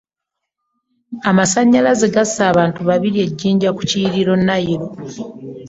Amasannyalaze gasse abantu babiri e Jinja kubkiyiriro Nile